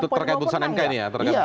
itu terkait putusan mk nih ya